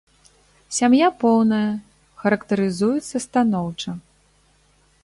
Сям'я поўная, характарызуецца станоўча.